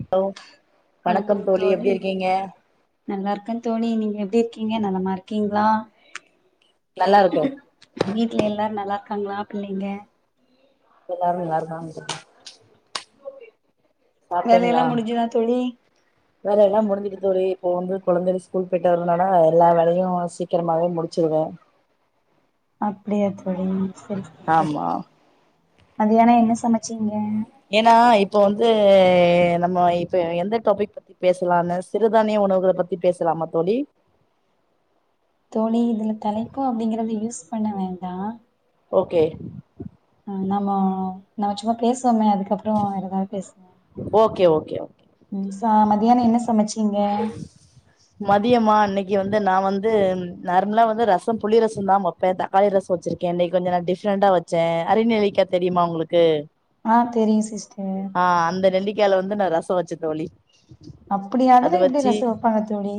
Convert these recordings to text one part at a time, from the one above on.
Hello வணக்கம் தோழி எப்டி இருக்கீங்க நல்லாருக்கேன் தோழி நீங்க எப்டி இருக்கீங்க நலமா இருக்கீங்களா நல்லாருக்கே வீட்ல எல்லாரும் நல்லா இருக்காங்களா பிள்ளைங்க எல்லாரும் நல்ல இருக்காங்க சாப்டிங்ளா வேலையெல்லா முடிஞ்சுதா தோழி வேலையெல்லாம் முடிசிட்டு தோழி இப்போ வந்து கொழந்தைங்க ஸ்கூல் போயிட்டதுனால எல்லா வேலையும் சீக்கிரமாவே முடிச்சிருவேன் அப்டியா தோழி செரிங்க ஆமா மதியானம் என்ன சமைச்சிங்க ஏன்னா இப்ப வந்து நம்ம இப்ப எந்த டாபிக் பத்தி பேசலாம்னு சிறுதானிய உணவுகளை பத்தி பேசலாமா தோழி தோழி இதுல தலைப்பு அப்டிங்கறத யூஸ் பண்ண வேண்டாம் ஓகே ஆ நாமோ நம்ம சும்மா பேசுவோமே அதுக்கப்புறம் ஏதாவது பேசுவோம் ஓகே ஓகே ஓ புதுசா மதியானம் என்ன சமைச்சீங்க மதியமா இன்னைக்கு வந்து நான் வந்து நார்மலா வந்து ரசம் புளி ரசம் தான் இப்ப தக்காளி ரசம்வச்சிருக்கேன் இன்னைக்கு கொஞ்சம் நான் டிஃப்ரெண்டா வச்சேன் அரநெல்லிக்கா தெரிமா உங்களுக்கு ஆ தெரியும் சிஸ்டர் ஆ அந்த நெல்லிக்கால வந்து நான் ரசம் வச்சே தோழி அத வச்சு அப்ரோ தோழி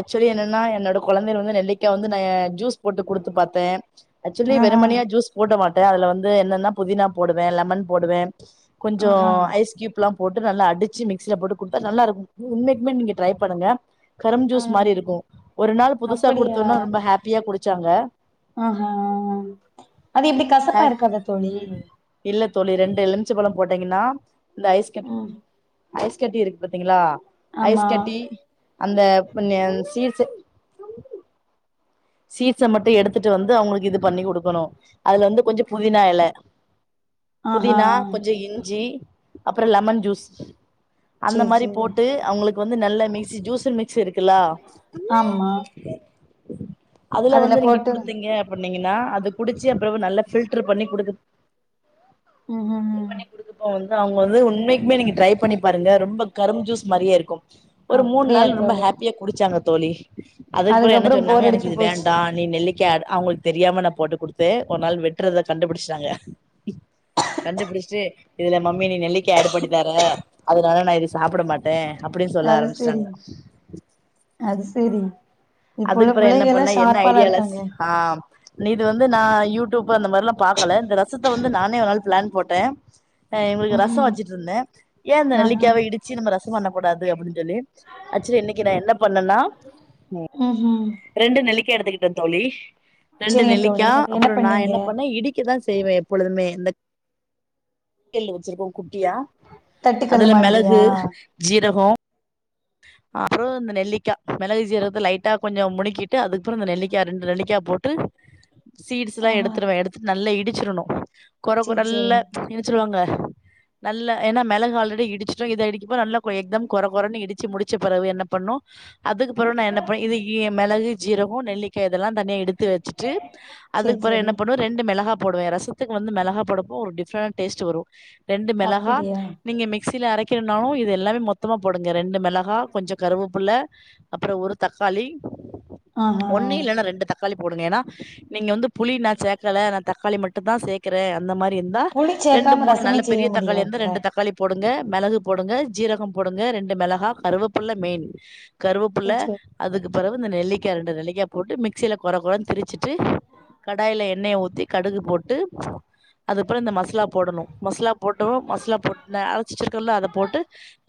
ஆக்சுவலி என்னன்னா என்னோட கொழந்தங்க வந்து நெல்லிக்காய வந்து நான் ஜூஸ் போட்டு கொடுத்து பாத்தேன் ஆக்சுவலி ஆ ஆ வெறுமனியா ஜூஸ் போட மாட்டேன் அதில வந்து என்னென்னா புதினா போடுவேன் லெமன் போடுவேன் கொஞ்சம் ஆஹா ஐஸ்க்யூப்லாம் போட்டு நல்லா அடிச்சு மிக்சில போட்டு கொடுத்தா நல்லா இருக்கும் உண்மைமே நீங்க ட்ரை பண்ணுங்க கரும்பு ஆ ஜூஸ் மாரி இருக்கும் ஒரு நாள் புதுசா அப்படியா கொடுத்தோனா ரொம்ப ஹாப்பியா குடிச்சாங்க ஆஹஹா அது எப்டி கசப்பா இருக்காதா தோழி இல்ல தோழி ரெண்டு எலுமிச்ச பழம் போட்டீங்கன்னா இந்த ஐஸ் ம் ஐஸ் கட்டி இருக்கு பாத்தீங்களா ஆமா ஐஸ் கட்டி அந்த இப் சீஸ் சீஸ்ச மட்டும் எடுத்துட்டு வந்து அவங்களுக்கு இது பண்ணி குடுக்கணும் அதுல வந்து கொஞ்சம் புதினா எல ஆஹா புதினா கொஞ்சம் இஞ்சி அப்றம் லெமன் ஜூஸ் அந்த சேரி மாரி சேரி போட்டு அவங்களுக்கு வந்து நல்ல மிக்சி ஜூசர் மிக்சி இருக்குலா ஆமா அதுல வந்து நீங்க குடுத்தீங்க அப்பனீங்கன்னா அது குடிச்சு அப்புற நல்லா பில்டர் பண்ணி குடுக்கு ஆஆ பண்ணி கொடுக்கப்போ வந்து அவங்க வந்து உண்மைக்குமே நீங்க ட்ரை பண்ணி பாருங்க ரொம்ப கரும் ஜூஸ் மாதிரியே இருக்கும் ஒரு மூணு அப்டியா நாள் ரொம்ப தோழி ஹாப்பியா குடிச்சாங்க தோழி அதுக்கப்புறம் என்ன அதுக்கப்றோ சொன்னாங்க போர் எனக்கு அடிச்சு இது போச்சு வேண்டா நீ நெல்லிக்க அவங்களுக்கு தெரியாம நான் போட்டு கொடுத்து ஒரு நாள் வெட்டு றத கண்டுபிடிச்சிட்டாங்க கண்டுபிடிச்சிட்டு இதுல மம்மி நீ நெல்லிக்கா ஆட் பண்ணிதர அதனால நான் இது சாப்ட மாட் ன் அப்படின்னு சொல்ல அது செரி ஆரம்பிச்சட்டாங்க அது செரி இப்ப உள்ள அதுப்றோ என்ன புள்ளைகல்லா பண்ணா என்ன ஷார்ப்பாலா ஐடியாலேஸ் இருக்காங்க ஆ நீ இது வந்து நா யூடியூப் அந்த மாரி எல்லா பாக்கல இந்த ரசஸ்த்த வந்து நானே ஒரு நாள் ஃபிளான் போட்டே ஆ இவ்ங்ளுக்கு ம் ரசோ ம் வச்சுட்டு இருந்தே ஏ இந்த ஆஹா நெல்லிக்கா இடிச்சி நம்ம ரசம் பண்ணக்கூடாது அப்டின்னு சொல்லி அச்சரி இன்னைக்கி நா என்ன பண்ணேனா உம் உம் ரெண்டு நெல்லிக்கா எடுத்துக்கிட்டே தோழி ரெண்டு செரிங்க தோழி நெல்லிக்கா அது அப்றோ நா பண்ணீங்க என்ன பண்ணே இடிக் கி தா செய்வே எப்பொழுதுமே இந்த கில் வச்சிருக்கோ குட்டியா தட்டுக்கல்லு அதுல மாதிரியா மெளகு ஜீரகோ அது இந்த நெல்லிக்காய மிளகு ஜுரகத்த லைட்டா கொஞ்சோ முடிகிட்டு அதுக்கப்றோ இந்த நெல்லிக்கா ரெண்டு நெல்லிக்கா போட் டு சீட்ஸ எல்லா ஆஹா எடுத்துவே எடுத்து நல்ல இடிச்சுறுனு கொரப்பு சேரி சேரி நல்ல ச்சுருவாங்க நல்ல ஏன்னா மெளகு ஆல்ரெடி இடிச்சிட்டோ இத இடிக்கப்ப நல்லா எக் தம் குற குறன்னு இடிச் சு முடிச்ச பிறவு என்ன பண்ணு அதுக்கு பற நா என்ன பண்ண இதுகி மெளகு ஜீரகோ நெல்லிக்கா இதெல்லா தனியா எடுத்து வச்சுட்டு சேரி அதுக்குப்பற சேரி என்ன பண்ணுவ ரெண்டு மெளகா போடுவே ரசத்துக்கு வந்து மெளகா போடப்போ ஒரு டிப்ரேன் டேஸ்ட் வரு ரெண்டு மெளகா அப்டியா நீங்க மிக்சியில அரைக்கறனாவு இது எல்லாமே மொத்தமா போடுங்க ரெண்டு மெ மிளகா கொஞ்சோ கருவபிள்ள அப்புறோ ஒரு தக்காளி ஒன்னு ஆஹா இல்லன்னா ரெண்டு க்காளி போடுங்க ஏன்னா நீங்க வந்து புளினா சேக்கல நா தக்காளி மட்டும்தா சேக் க்கிற அந்த மாரி இருந்தா புளி ரெண்டு சேக்காம மூணு ரசமே நல்ல செய்ய பெரிய தக்காளி இருந்தா முடியாதுல்ல ரெண்டு தக்காளி போடுங்க மெளகு போடுங்க ஜீரகோ போடுங்க ரெண்டு மெளகா கருவபிள்ள மெயின் கருவபுள்ள சேர் சேர் அதுக்கு பெறவு இந்த நெல்லிக்கா ரெண்டு நெல்லிக்கா போட்டு மிக்சியில கொற கொறனு திரிச் சிட்டு கடாயில எண்ணைய ஊத்தி கடுகு போட்டு அதுப்பற இந்த மஸ்லா போடணு மஸ்லா போட்டோ மஸ்லா போட்டு அரைச்சுக்கல்லு அத போட்டு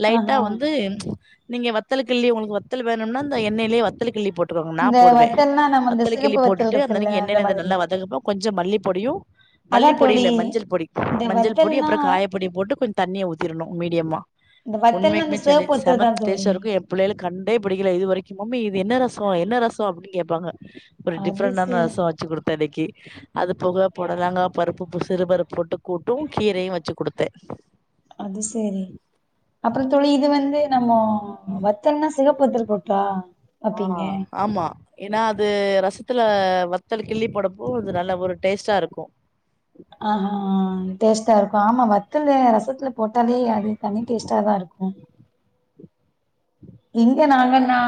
லைட்டா ஆஹா வந்து நீங்க வத்தல்கில்லி உங்களுக்கு வத்தல் வேணும்னா இந்த எண்ணைய்லயே வத் தல் கிள்ளி போட்டுவோங்க நா இந்த போடுவே வத்தல்னா நம்ம இந்த வத்தல்ல சிகப்பு கிள்ளி வத்தல் போட்டு அந்த இருக்குல்ல அனைக்கு என்னென்னைல நல்ல மாதிரியா வதங்கப்போ கொஞ்ச மல்லிப் பொடியு அதா மல்லிப்பொடி தோழி இல்ல மஞ்சள் பொடி இந்த மஞ்சள் பொடி வத்தல்னா அப்புறோ காயப் பொடி போட்டு கொஞ்ச தண்ணிய ஊத்திறணு மீடியமா இந்த வத்தல்னா உண்மைக்குமே இந்த ச சிவப்பு செம வத்தல் தா தோழி ஸ்டேஷருக்கு ஏ பிள்ளைளுக்கு கண்டே பிடிக்கல இது வரைக்கு மம்மி இது என்ன ரசோ என்ன ரசோ அப்டின்னு கேட்பாங்க ஒரு அது டிஃப்ரெண்டான சேர் ரசோ வச்சு குடுத்த அன்னைக்கி அது போக புடலங்கா பருப்பு புசுறுபருப்பு போட்டு கூட்டு கீரையு வச்சு குடுத்தே அது செரி அப்புறோ தோழி இது வந்து நம்ம வத்தல்னா சிகப்பு வத்தல் போட்டா ஆ வப்பீங்க ஆமா ஏன்னா அது ரஸ்த்துல வத்தல் கிள்ளி போடப்போ அது நல்ல ஒரு டேஸ்ட்டா இருக்கு ஆ அ டேஸ்ட்டா இருக்கு ஆமா வத்தல ரசத்துல போட்டாலே அது தனி டேஸ்ட்டா தா இருக்கு இங்க நாங்கனா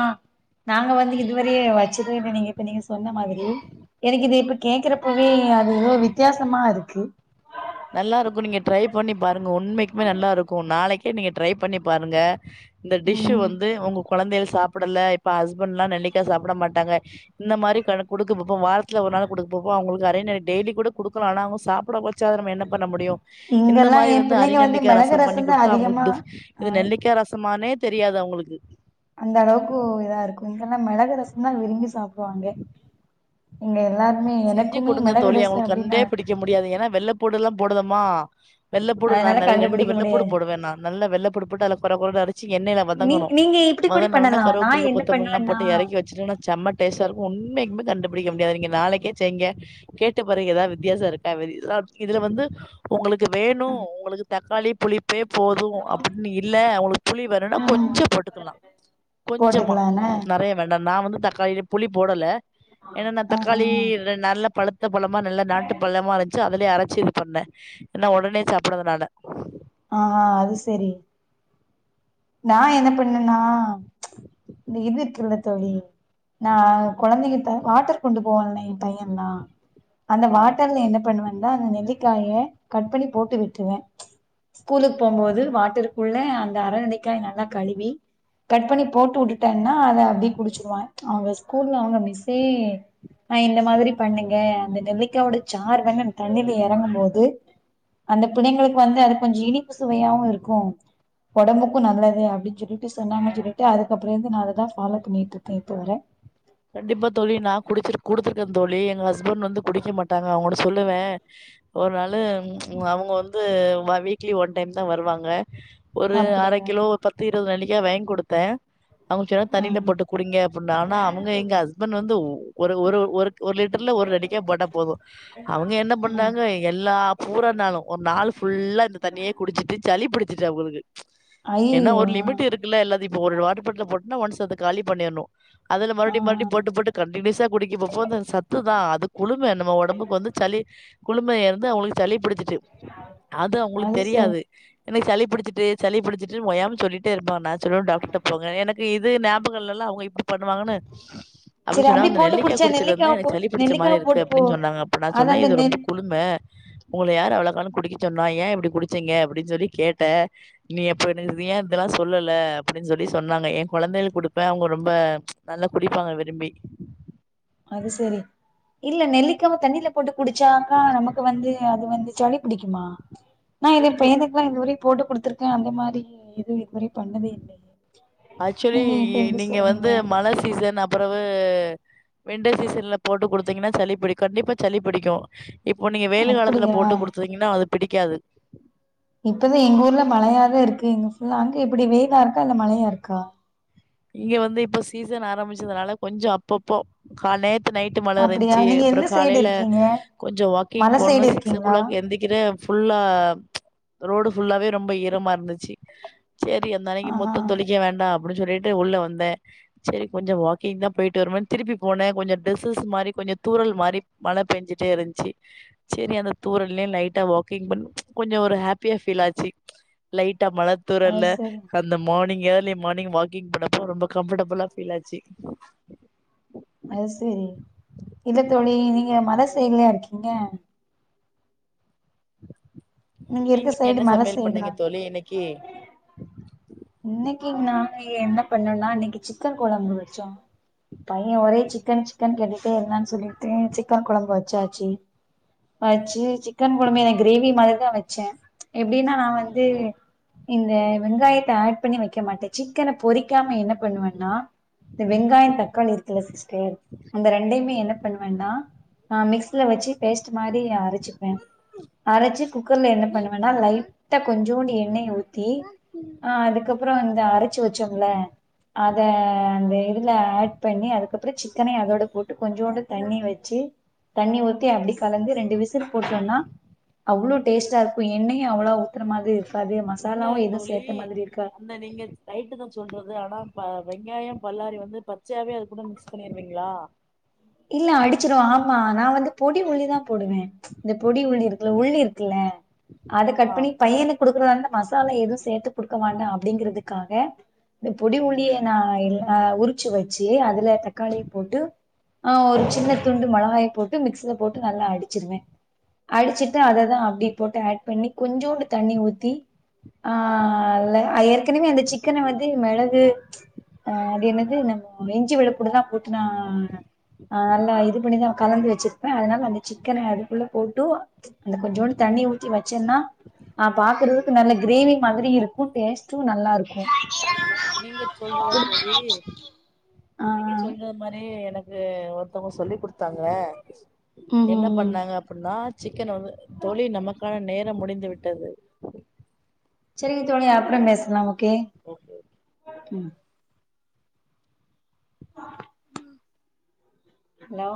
நாங்க வந்து இதுவரயே வச்சதே இல்ல நீங்க இப்ப நீங்க சொன்ன மாரி எனக்கு இது இப்ப கேக்குறப்பவே அது எதோ வித்தியாசமா இருக்கு நல்லா இருக்கு நீங்க ட்ரை பண்ணி பாருங்க உண்மைக்குமே நல்லா இருக்கு நாளைக்கே நீங்க ட்ரை பண்ணி பாருங்க இந்த டிஷ்ஷு ம் வந்து உங்க கொழந்தைகள் சாப்படல இப்ப ஹஸ்பண்ட் எல்லா நெல்லிக்கா சாப்பிட மாட்டாங்க இந்த மாரி கடு குடுக்க போ வாரத்துல ஒரு நாள் குடுக்க போப்ப அவ்ங்களுக்கு நெறை நெறைய டெய்லி கூட குடுக்கலா ஆனா அவுங்க சாப்ட கது நம்ம என்ன பண்ண முடியு இந்த இங்கெல்லா மாரி எ வந்து பிள்ளைங்க அறிநெல்லிக்கா மிளகு ரசம் பண்ணி ரசந்தா குடுத்தா அவ்ங்களுக்கு அதிகமா டுப் ஆ இது நெல்லிக்கா ரசமானே தெரியாது அவ்ங்ளுக்கு அந்த அளவுக்கு இதா இருக்கு இங்கல்லா மெளகு ரசம்தா விரும்பி சாப்டுவாங்க எங்க எல்லாருமே எனக்குமே மெளகுரசோ அப்டின்னா ருக்க முடியாது ஏன்னா வெள்ள பூடுஎல்லா போடுதமா வெள்ளப்பூடு நா அதனால நெறைய ரெண்டு கண்டுபிடிக்க வெள்ளப்பூடு முடியாது போடுவே நா நல்லா வெள்ளப்பூடு போட்டு அத கொர கொய னுஅரச்சு எண்ணெயில நீ வதங்கணு நீங்க இப்டி கூட வதங்னோன்னே பண்ணலா நா கருவாப்புள்ள என்ன கொத்தமல்லில்லா பண்ணுவேன்னா போட்டு எறக்கி வச்சிட்டேன்னா செம்ம டேஸ்டா இருக்கு உண்மைக்குமே கண்டுபிடிக்க முடியாது நீங்க நாளைக்கே செய்ங்க கேட்ட பாருங்க எதா வித்தியாச இருக்கா இதுல வந்து ஒங்களுக்கு வேணு ஒங்களுக்கு தக்காளி புளிப் பபே போது அப்டின்னு இல்ல ஒங்களுக்கு புளி வெனுன்னா கொஞ்ச போட்டுக்கலா கொஞ்சமா போட்டுக்கலான நெறயா வேண்டா நா வந்து தக்காளிய புளி போடல ஏனா நா ஆ தக்காளி நல்லா பழுத் த பழமா நல்லா நாட்டு பழமா இருந்துச்சு அதுலயே அரச்சி இது பண்ணே ஏன ஒடனே சாப்புட்றதுனால ஆ அது சரி நா என்ன பண்ணனா இந்த இது இருக்குல்ல தோழி நா கொழந்தைங்கக வாட்டர் கொண்டு போவான்லா என் பையன்ல்லா அந்த ஆ. வாட்டர்ல என்ன பண்ணுவன்டா அந்த நெல்லிக்காய கட் பண்ணி போட்டு விட்ருவே ஸ்கூலுக்கு போகுபோது வாட்டருக்குள்ள அந்த அர நெல்லிக்கா நல்லா கழுவி கட் பண்ணி போட்டு உட்டுட்டேன்னா அத அப்டி குடிச்சிருவா அவுங்க ஸ்கூல்ல அவுங்க மிஸ்ஸே ஆ இந்த மாதிரி பண்ணுங்க அந்த நெல்லிக்காயோட சாரு வேணா தண்ணில எறங்கும் போது அந்த பிள்ளைங்களுக்கு வந்து அது கொஞ்சோ இனிப்பு சுவையாவு இருக்கு ஒடம்புக் கு நல்லது அப்டின்னு சொல்லிட்டு சொன்னாங்க சொல்லிட்டு அதுக்கற இருந்து நா அததா ஃபாலோ பண்ணிகிட்டு இருக்கே இப்போ வர கண்டிப்பா தோழி நா குடிச்சிரு குடுத்துருக்கேன தோழி எங்க ஹஸ்பண்ட் வந்து குடிக்க மாட்டாங்க அவுங்கள சொல்லுவே ஒரு நாளு அவுங்க வந்து வ வீக்லி ஒன் டைம் தா வருவாங்க ஒரு அரக் அப்டியா கிலோ பத்து இருவது நெல்லிக்கா வேங்கி குடுத்தே அவுங்களுக்கு ஆ தண்ணியில போட்டு குடிங்க அப்டினு ஆனா அவுங்க எங்க ஹஸ்பண்ட் வந்து ஒர ஒரு ஒரு ஒரு லிட்டர்ல ஒரு நெல்லிக்கா போட்டா போது அவுங்க என்ன ஆ பண்ணாங்க எல்லா பூரா நாளு ஒரு நாள் ஃபுல்லா இந்த தண்ணியே குடிச்சிட்டு சளி பிடிச்சிச்சி அவுகளுக்கு ஏன்னா ஐயயோ ஒரு ஆ லிமிட் இருக்குல்ல எல்லாது இப்ப ஒரு வாட்டர் பாட்டில் போட்டுனா ஒன்ஸ் அத காலி பண்ணிர்னு அதுல ஆ மறுபடி மறுபடி ஆ. போட்டு போட்டு கண்டினியூஸா குடிக்கப்போ அது சத்து தா அது குளும நம்ம ஒடம்புக்கு வந்து சளி குளுமைய இருந்து அவுங்கள் சளி புடிச்சிட்டு அது அவுங்களுக்கு தெரியாது எனக்கு சளி புடிச்சிட்டு சளி புடிச்சிட்டு ஓயாம சொல்லிட்டே இருப்பாங்க நா சொல்ல டாக்டர்ட்ட போங்க என இது ஞாபகங்கள்லல்லா அவுங்க இப்டி பண்ணுவாங்கன்னு நா அப்டி செரி சொன்னா அந்த போட்டு நெல்லிக்கா குடிச்சா குடிச்சதுல இருந்து தா நெல்லிக்காவ போ எனக்கு சளி புடிச்ச மாதி நெல்லிக்காவ இருக்கு போட்டு போ அப்டின்னு சொன்னாங்க அப்ப நா அது சொன்னே அந்த இது ரொம்ப நெல் குளு ம உங்கள யார் அவ்வளக்காலு குடிக்கச்சொன்னா ஏ இப்டி குடிச்சீங்க அப்டின்னு சொல்லி கேட்டே நீ எப்ப எனக்கு ஏ இதெல்லா சொல்லல அப்டின்னு சொல்லி சொன்னாங்க எ கொழந்தைகளுக் குடுப்ப அவுங்க ரொம்ப நல்லா குடிப்பாங்க விரும்பி அது சரி இல்ல நெல்லிக்காவ தண்ணில போட்டு குடிச்சாக்கா நமக்கு வந்து அது வந்து சளி புடிக்குமா நா இதுப்ப பிடிக்கு [unintelligible] இப்பில்லா இது வரையு போட்டு குடுத்துருக்கே அந்த மாதி இது இது மாதிரியு பண்ணது இல்ல ஆக்சுவலி இ நீங்க வந்து மழ சீசன் அப் அப்புறவு விண்டர் சீசன்ல போட்டு குடுத்தீங்கன்னா சளி பிடிக்கு கண்டிப்பா சளி பிடிக்கு இப்போ நீங்க வெயிலு காலத்துல அப்டியா போட்டு குடுத்தீங்கன்னா அது பிடிக்காது இப்பதா எங்க ஊர்ல மழையாதா இருக்கு இங்க ஃபுல்லா அங்க எப்டி வேயிலா இருக்கா இல்ல மழையா இருக்கா இங்க வந்து இப்ப சீசன் ஆரம்பிச்சதுனால கொஞ்சோ அப்பப்போ கால நேத் து நைட்டு மழ அப்டியா இருந்துச்சு நீங்க அப்புற எந்த சைடு காலையில இருக்கீங்க கொஞ்ச வாக்கிங் மல போண்ணு சைடு சிக்ஸ் ஓ இருக்கீங்களா கிளாக் எந்திக்கிற ஃபுல்லா ரோடு ஃபுல்லாவே ரொம்ப ஈரமா இருந்திச்சி சேரி அந்த அன்னைக்கு ஆஹா முத்தோ தொளிக்க வேண்டா அப்டின்னு சொல்லிட்டு உள்ள வந்தே செரி கொஞ்சோ வாக்கிங் தா போயிட்டு வருனு திருப்பி போனே கொஞ்சோ டிரெஸஸ் மாரி கொஞ்சோ தூறல் மாரி மழை பேஞ்சுட்டே இருந்துச்சி சேரி அந்த தூரல்லே லைட்டா வாக்கிங் பண்வோ கொஞ்சோ ஒரு ஹாப்பியா ஃபீல் ஆச்சி லைட்டா மழத் அது தூறல்ல சரி அந்த மார்னிங் ஏர்லி மார்னிங் வாக்கிங் பண்ணப்போ ரொம்ப கம்ஃபர்டபுளா ஃபீல் ஆச்சி அது சேரி இல்லத்தோழி நீங்க மல சைட்லையா இருக்கீங்க இருக்க நீங்க சைடு என்ன மல சமையல் சைடா பண்ணீங்க தோழி இன்னக்கீ இன்னக்கீ நாங்க என்ன பண்ணோம்னா இன்னக்கீ சிக்கன் கொழம்பு வச்சோம் பையே ஒரே சிக்கன் சிக்கன் கேட்டுட்டே இருந்தான்னு சொல்லிட்டு சிக்கன் கொழம்பு வச்சாச்சு வச்சு சிக்கன் கொழம்பு இன்னக்கீ கிரேவி மாதிரிதா வச் சே எப்டின்னா நா வந்து இந்த வெங்காயத் த ஆட் பண்ணி வெக்க மாட்டே சிக்கன பொறிக்காம என்ன பண்ணுவேன்னா இந்த வெங்காயம் தக்காளி இருக்குல சிஸ்டர் அந்த ரெண்டயுமே என்ன பண்ணுவேன்னா ஆ மிக்ஸில வச்சு பேஸ்ட்டு மாதிரி அரச்சிப்பே அரச்சு குக்கர்ல் என்ன பண்ணுவேன்னா லைட்டா கொஞ்சோண்டு எண்ணெய ஊத்தி அஹ் அதுக்கப்பறம் வந்து அரச்சு வெச்சோம்ல அத அந்த இதுல ஆட் பண்ணி அதுக்கப்புறோ சிக்கன அதோட போட்டு கொஞ்சோண்டு தண்ணி வச்சு தண்ணி ஊத்தி அப்டி கலந்து ரெண்டு விசில் போட்டோன்னா அவ்வளோ டேஸ்ட்டா இருக்கு எண்ணயு அவ்வளவோ ஊத்துற மாதிரி இருக்காது இல்ல மசாலாவும் எதுவு தோழி சேத்த மாதிரி இருக்கா அந்த நீங்க ரைட்டு நா சொல்றது ஆனா வெங்காயோ பல்லாரி வந்து பச்சையாவே அது கூட மிக்ஸ் பண்ணிர்வீங்களா இல்ல அடிச்சிர்வோ ஆமா நா வந்து பொடி உள்ளிதா போடுவே இந்த பொடி உள்ளி இருக்குல்ல உள்ளி இருக்குல்ல அத கட் ஆ பண்ணி பையனுக் குடுக்குறதா இருந்தா மசாலா எதுவு சேத்து குடுக்க வேண்டா அப்டிங்கறுதுக்காக இந்த பொடி உள்ளிய நா எல்லா உரிச்சு வச்சு அதுல தக்காளிய போட்டு ஆ ஒரு சின்ன துண்டு மொளகாய போட்டு மிக்ஸில போட்டு நல்லா அடிச்சிருவே அடிச்சிட்டு அததா அப்டி போட்டு ஆட் பண்ணி கொஞ்சோண்டு தண்ணி ஊத்தி ஆஹ்ல்ல ஏற்கனவே அந்த சிக்கன வந்து மெளகு ஆ அது என்னது நம்ம இஞ்சி வெள்ளப்பூடுதா போட்டுன்னா ஆ நல்லா இது பண்ணிதா கலந்து வெச்சிர்ப்பே அத்னால அந்த சிக்கன அதுக்குள்ள போட்டு அந்த கொஞ்சோண்டு தண்ணி ஊத்தி வச்சேன்னா ஆ பாக்குறதுக்கு நல்ல கிரேவி மாதிரி இருக்கு டேஸ்ட்டும் நல்லா இருக்கு நீங்க சொல்றதா தொழி ஆ நீங்க சொல்ற அ மாரி எனக்கு ஒருத்தங்க சொல்லி குடுத்தாங்க ம் என்ன ம் ம் பண்ணாங்க அப்டின்னா சிக்கன் வந்து தொழி நமக்கான நேரம் முடிந்து விட்டது செரிங்க தோழி அப்றம் பேசலாம் ஓகே ஓகே ம் ம் ஹலோ